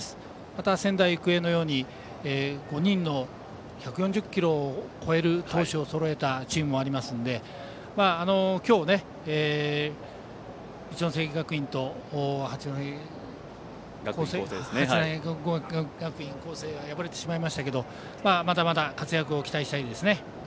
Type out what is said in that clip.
また、仙台育英のように５人の１４０キロを超える投手をそろえたチームもありますので今日、一関学院と八戸学院光星が敗れてしまいましたけれどもまだまだ活躍を期待したいですね。